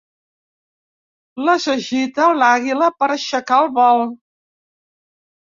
Les agita l'àguila per aixecar el vol.